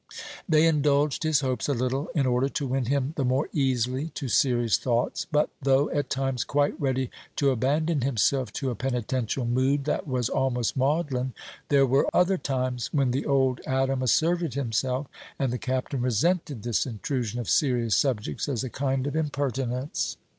They indulged his hopes a little, in order to win him the more easily to serious thoughts; but though at times quite ready to abandon himself to a penitential mood that was almost maudlin, there were other times when the old Adam asserted himself, and the Captain resented this intrusion of serious subjects as a kind of impertinence.